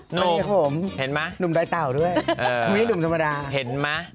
หนุ่มเห็นไหมหนุ่มได้เต่าด้วยไม่ให้หนุ่มธรรมดาเห็นไหม